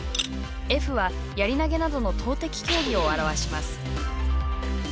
Ｆは、やり投げなどの投てき競技を表します。